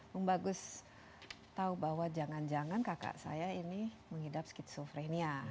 bung bagus tahu bahwa jangan jangan kakak saya ini mengidap skizofrenia